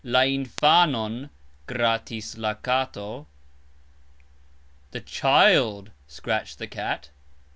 La infanon gratis la kato. The child scratched the cat.